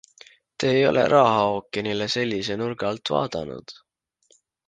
Te ei ole rahaookeanile sellise nurga alt vaadanud?